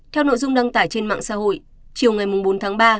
theo nội dung đăng tải trên mạng xã hội chiều ngày bốn tháng ba